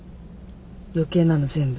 余計なの全部。